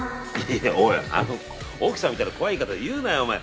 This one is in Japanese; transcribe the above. いやおいあの奥さんみたいな怖い言い方言うなよお前。